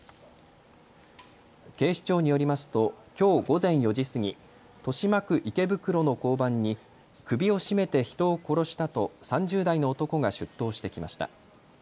警視庁によりますときょう午前４時過ぎ、豊島区池袋の交番に首を絞めて人を殺したと３０代の男が出頭してきました。